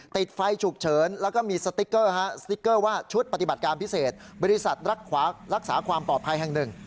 ติดไฟฉุกเฉินแล้วก็มีสติ๊กเกอร์สติ๊กเกอร์ว่าชุดปฏิบัติการพิเศษบริษัทรักษาความปลอดภัยแห่งหนึ่ง